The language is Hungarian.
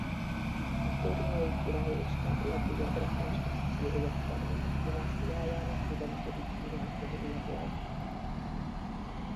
A torinói királylista legújabb rekonstrukciója szerint dinasztiájának tizenötödik uralkodója volt.